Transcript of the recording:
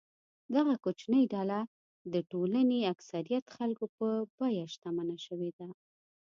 دغه کوچنۍ ډله د ټولنې اکثریت خلکو په بیه شتمنه شوې ده.